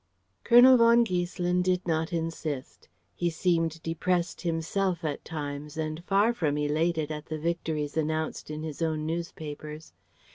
Colonel von Giesselin did not insist. He seemed depressed himself at times, and far from elated at the victories announced in his own newspapers.